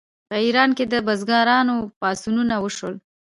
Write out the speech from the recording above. په ایران کې د بزګرانو پاڅونونه وشول.